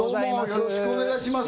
よろしくお願いします